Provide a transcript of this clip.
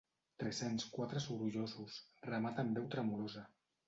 Tres-cents quatre sorollosos, remata amb veu tremolosa.